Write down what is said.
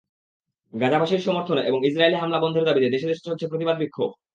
গাজাবাসীর সমর্থনে এবং ইসরায়েলি হামলা বন্ধের দাবিতে দেশে দেশে চলছে প্রতিবাদ-বিক্ষোভ।